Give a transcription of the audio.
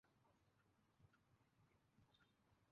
রেলের ঈদের অগ্রিম টিকিট চতুর্থ দিনের ভিড় ছাপিয়ে গেল আগের তিন দিনকে।